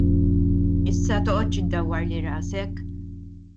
Issa toqgħodx iddawwarli rasek!